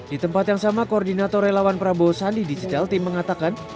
di tempat yang sama koordinator relawan prabowo sandi digital team mengatakan